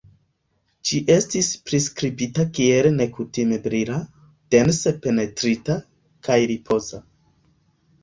Ĝi estis priskribita kiel "nekutime brila, dense pentrita, kaj ripoza".